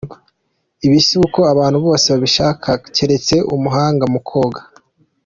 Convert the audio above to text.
Ibi si ko abantu bose babishobora, keretse umuhanga mu koga.